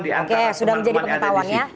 oke sudah menjadi pengetahuan ya